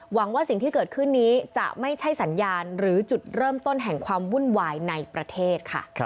ว่าสิ่งที่เกิดขึ้นนี้จะไม่ใช่สัญญาณหรือจุดเริ่มต้นแห่งความวุ่นวายในประเทศค่ะ